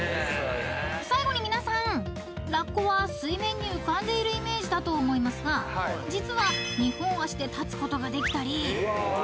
［最後に皆さんラッコは水面に浮かんでいるイメージだと思いますが実は２本足で立つことができたり］